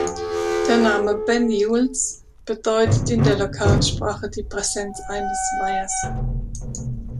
Der Name "Banyuls" bedeutet in der lokalen Sprache die Präsenz eines Weihers.